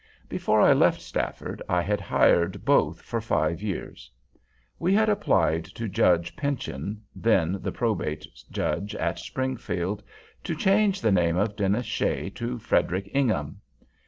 Before I left Stafford, I had hired both for five years. We had applied to Judge Pynchon, then the probate judge at Springfield, to change the name of Dennis Shea to Frederic Ingham.